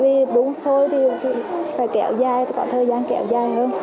vì bún xôi thì phải kẹo dài thì có thời gian kẹo dài hơn